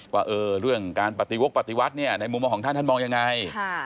ว่าเรื่องการปฏิวกปฏิวัฒน์ในมุมมองของท่านมองอย่างไร